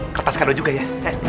kertas kado juga ya